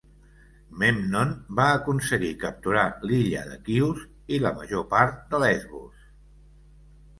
Memnon va aconseguir capturar l'illa de Quios i la major part de Lesbos.